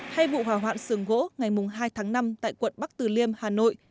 hay vụ hỏa hoạn sườn gỗ ngày hai tháng năm tại quận bắc từ liêm hà nội